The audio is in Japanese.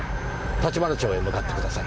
橘町へ向かってください。